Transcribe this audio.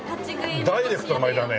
ダイレクトな名前だね。